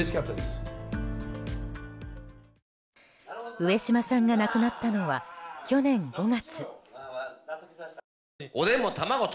上島さんが亡くなったのは去年５月。